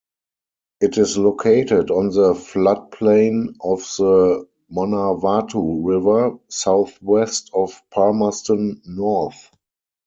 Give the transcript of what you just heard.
It is located on the floodplain of the Manawatu River, southwest of Palmerston North.